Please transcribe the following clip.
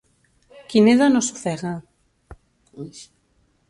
Qui neda no s'ofega.